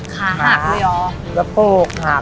ขาหักเลยเหรอแล้วโบสดหัก